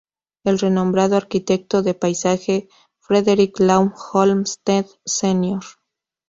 El renombrado arquitecto de paisaje Frederick Law Olmsted, senior.